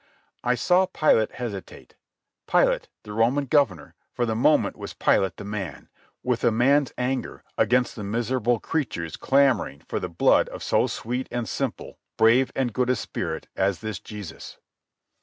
I saw Pilate hesitate. Pilate, the Roman governor, for the moment was Pilate the man, with a man's anger against the miserable creatures clamouring for the blood of so sweet and simple, brave and good a spirit as this Jesus.